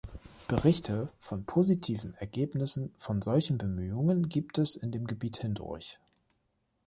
Berichte von positiven Ergebnissen von solchen Bemühungen gibt es in dem Gebiet hindurch.